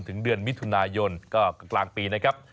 ถึงเดือนมิถุนายนก็กลางปี